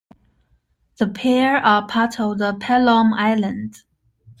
The pair are part of the Pelham Islands.